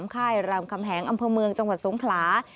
ค่ายรามคำแหงอำเภอเมืองจังหวัดสงขลา